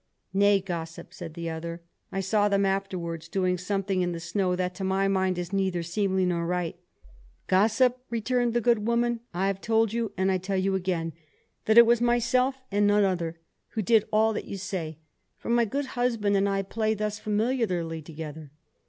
"Nay, gossip," said the other, "I saw them afterwards doing something in the snow that to my mind is neither seemly nor right." "Gossip," returned the good woman, "I have told you, and I tell you again, that it was myself and none other who did all that you say, for my good husband and I play thus familiarly together.